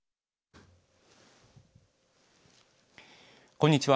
こんにちは。